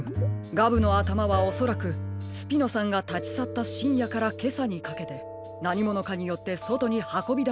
ガブのあたまはおそらくスピノさんがたちさったしんやからけさにかけてなにものかによってそとにはこびだされたのでしょう。